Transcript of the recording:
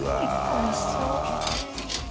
おいしそう。